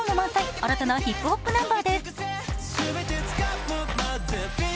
新たなヒップホップナンバーです。